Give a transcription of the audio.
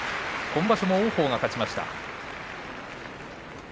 今場所も王鵬が勝ちました。